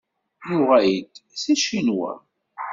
Nuɣal-d seg Ccinwa.